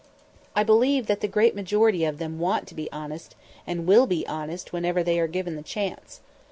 I believe that the great majority of them want to be honest and will be honest whenever they are given the chance.